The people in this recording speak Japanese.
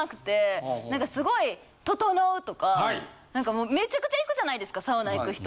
何かすごいととのうとか何かもうめちゃくちゃ行くじゃないですかサウナ行く人。